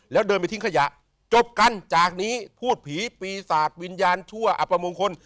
แล้วเดินไปทิ้งขยะจบกันจากนี้พูดผีปีศาจวิญญาณชั่วอับประมงคล